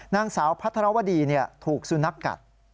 นางสาวพัทรวดีถูกสุนัขกัด